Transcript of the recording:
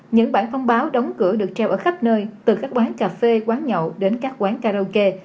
những bản thông báo đóng cửa được treo ở khắp nơi từ các quán cà phê quán nhậu đến các quán karaoke